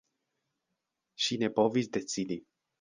Ŝi ne povis decidi.